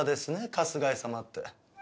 春日井様って。